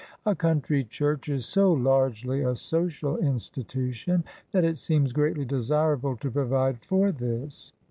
A country church is so largely a social in stitution that it seems greatly desirable to provide for this.